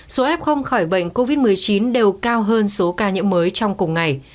số f khỏi bệnh covid một mươi chín đều cao hơn số ca nhiễm mới trong cùng ngày